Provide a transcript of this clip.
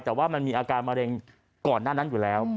แต่ว่ามันมีอาการมะเร็งก่อนหน้านั้นอยู่แล้ว